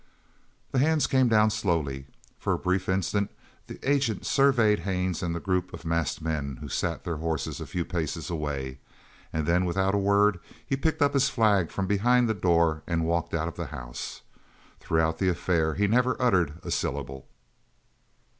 The hands came down slowly. For a brief instant the agent surveyed Haines and the group of masked men who sat their horses a few paces away, and then without a word he picked up his flag from behind the door and walked out of the house. Throughout the affair he never uttered a syllable.